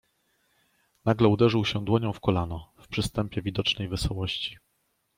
"Nagle uderzył się dłonią w kolano, w przystępie widocznej wesołości."